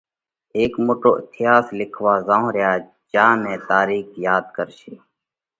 هيڪ موٽو اٿياس لکوا زائونھ ريا۔ جيا نئہ تارِيخ ياڌ ڪرشي۔